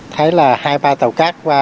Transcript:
thấy là hai ba tàu cát qua